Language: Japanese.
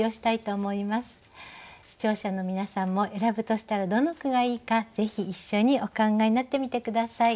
視聴者の皆さんも選ぶとしたらどの句がいいかぜひ一緒にお考えになってみて下さい。